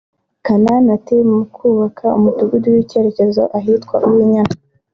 Kanani ati “Mu kubaka umudugudu w’icyitegererezo ahitwa Uwinyana